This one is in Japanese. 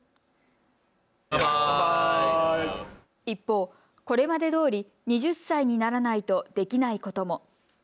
一方、これまでどおり２０歳にならないとできないことも。